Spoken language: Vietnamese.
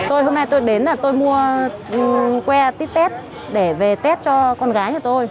tôi hôm nay tôi đến là tôi mua que tít test để về test cho con gái nhà tôi